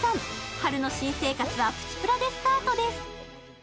春の新生活はプチプラでスタートです。